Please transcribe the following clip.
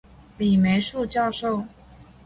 李梅树教授